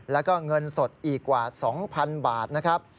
แล้วก็เงินสดอีกกว่า๒๐๐๐บาทนะครับ